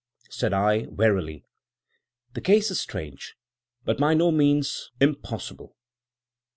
Said I, warily, 'The case is strange, but by no means impossible.